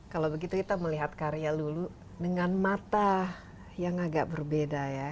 kalau begitu kita melihat karya lulu dengan mata yang agak berbeda ya